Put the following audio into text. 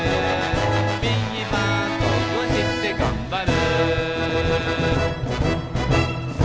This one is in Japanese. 「ビーバーこうしてがんばる」